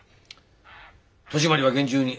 戸締まりは厳重に。